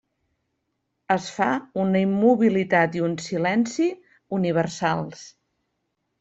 Es fa una immobilitat i un silenci universals.